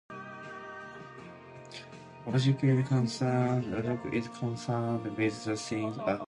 Logic is concerned with the thing as-it-is-known.